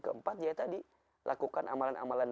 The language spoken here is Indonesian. keempat ya tadi lakukan amalan amalan